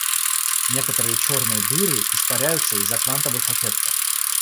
Некоторые черные дыры испаряются из-за квантовых эффектов.